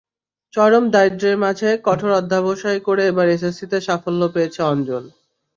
চরম দারিদ্র্যের মাঝে কঠোর অধ্যবসায় করে এবার এসএসসিতে সাফল্য পেয়েছে অঞ্জন।